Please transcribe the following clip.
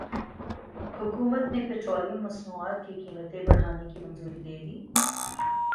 حکومت نے پیٹرولیم مصنوعات کی قیمتیں بڑھانے کی منظوری دے دی